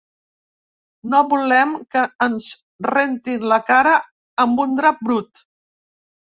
No volem que ens rentin la cara amb un drap brut.